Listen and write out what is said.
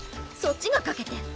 そっちがかけて。